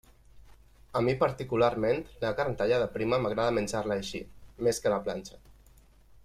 A mi particularment la carn tallada prima m'agrada menjar-la així, més que a la planxa.